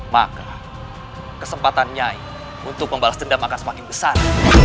maka kesempatan nyai untuk membalas dendam akan semakin besar